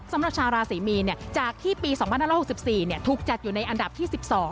สำนักชาวราศีมีเนี่ยจากที่ปี๒๖๖๔เนี่ยถูกจัดอยู่ในอันดับที่๑๒